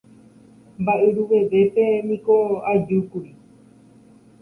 mba'yruvevépe niko ajúkuri